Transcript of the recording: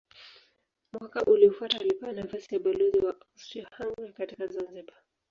Mwaka uliofuata alipewa nafasi ya balozi wa Austria-Hungaria katika Zanzibar.